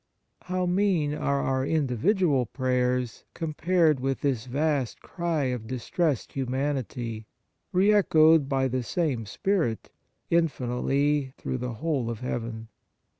How mean are our individual prayers com pared with this vast cry of distressed humanity, re echoed by the same Spirit infinitely through the whole of heaven